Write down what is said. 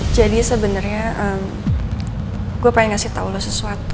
jadi sebenernya gue pengen kasih tau lo sesuatu